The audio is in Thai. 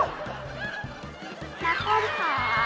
ขอเงินชัด๕๐๐๐ค่ะ